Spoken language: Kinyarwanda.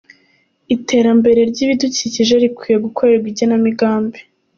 Iterambere ry’ibidukikije rikwiye gukorerwa igenamigambi